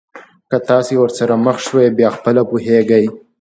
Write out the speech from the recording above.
که تاسي ورسره مخ شوی بیا خپله پوهېږئ.